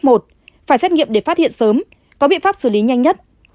phải xét nghiệm để phát hiện sớm có biện pháp xử lý nhanh nhất